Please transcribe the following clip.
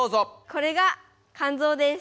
これがかん臓です。